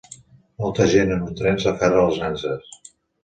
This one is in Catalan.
Molta gent en un tren s'aferra a les nanses